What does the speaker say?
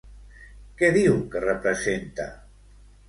Què diu que representa?